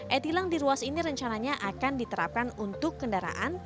e tilang di ruas ini rencananya akan diterapkan untuk kendaraan